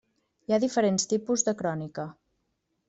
Hi ha diferents tipus de crònica.